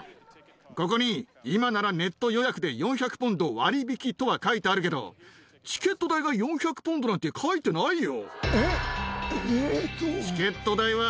ここに今ならネット予約で４００ポンド割引とは書いてあるけど、チケット代が４００ポンドなんて書いてないよ。